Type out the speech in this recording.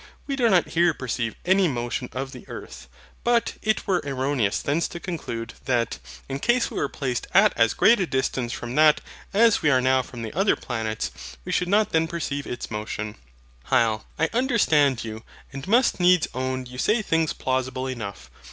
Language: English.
We do not here perceive any motion of the earth: but it were erroneous thence to conclude, that, in case we were placed at as great a distance from that as we are now from the other planets, we should not then perceive its motion. HYL. I understand you; and must needs own you say things plausible enough.